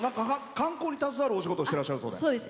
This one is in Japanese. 観光に携わるお仕事をしてらっしゃるそうで。